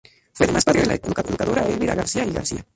Fue además padre de la educadora Elvira García y García.